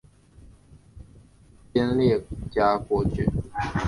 尖裂荚果蕨为球子蕨科荚果蕨属下的一个变种。